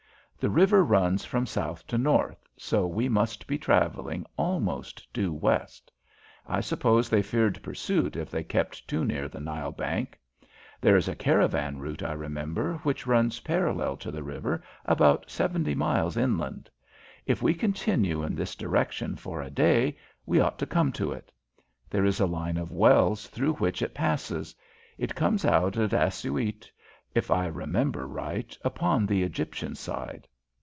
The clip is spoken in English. The river runs from south to north, so we must be travelling almost due west. I suppose they feared pursuit if they kept too near the Nile bank. There is a caravan route, I remember, which runs parallel to the river, about seventy miles inland. If we continue in this direction for a day we ought to come to it. There is a line of wells through which it passes. It comes out at Assiout, if I remember right, upon the Egyptian side.